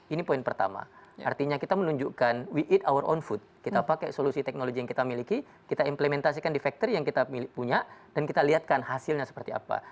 ini poin pertama artinya kita menunjukkan we it our on food kita pakai solusi teknologi yang kita miliki kita implementasikan di factory yang kita punya dan kita lihatkan hasilnya seperti apa